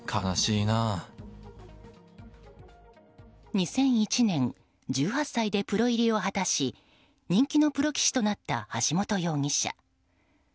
２００１年１８歳でプロ入りを果たし人気のプロ棋士となった橋本容疑者。